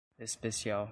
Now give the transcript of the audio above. especial